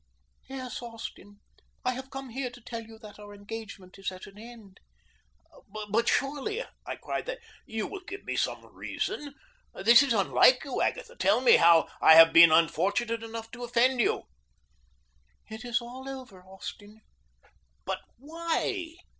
"Yes, Austin, I have come here to tell you that our engagement is at an end." "But surely," I cried, "you will give me some reason! This is unlike you, Agatha. Tell me how I have been unfortunate enough to offend you." "It is all over, Austin." "But why?